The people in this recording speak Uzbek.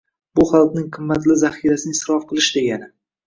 bu xalqning qimmatli zaxirasini isrof qilish degani.